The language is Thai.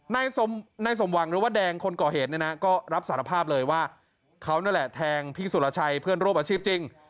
ในสมหวังแรงคนก่อเหตุก็รับสารภาพครั้งนี้แทงพี่สุรชัยเพื่อนร่วมอาชีพจริง